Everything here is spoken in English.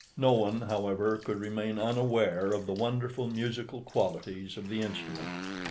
No one, however, could remain unaware of the wonderful musical qualities of the instrument.